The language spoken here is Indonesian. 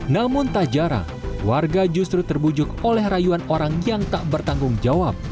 namun tak jarang warga justru terbujuk oleh rayuan orang yang tak bertanggung jawab